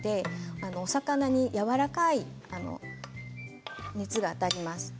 お魚に柔らかい熱があたります。